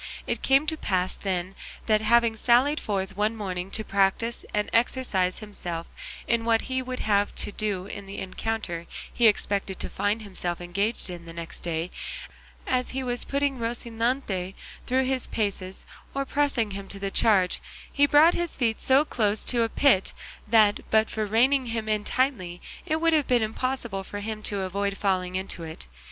It came to pass, then, that having sallied forth one morning to practise and exercise himself in what he would have to do in the encounter he expected to find himself engaged in the next day, as he was putting Rocinante through his paces or pressing him to the charge, he brought his feet so close to a pit that but for reining him in tightly it would have been impossible for him to avoid falling into it.